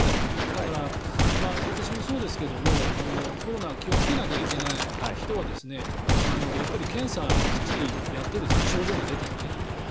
だから、私もそうですけどコロナ気をつけなきゃいけない人はやっぱり検査をきっちりやって症状が出たらね。